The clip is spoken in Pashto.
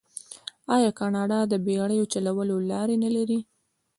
آیا کاناډا د بیړیو چلولو لارې نلري؟